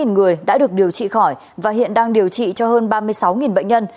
sáu người đã được điều trị khỏi và hiện đang điều trị cho hơn ba mươi sáu bệnh nhân